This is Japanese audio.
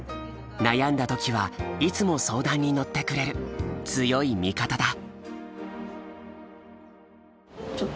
悩んだ時はいつも相談に乗ってくれる強い味方だ。